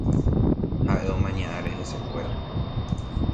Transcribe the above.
Ha'e omaña are hesekuéra.